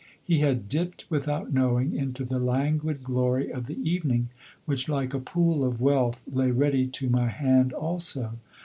He had dipped without knowing into the languid glory of the evening, which like a pool of wealth lay ready to my hand also.